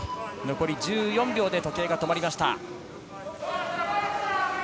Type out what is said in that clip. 残り１４秒で時計が止まりました。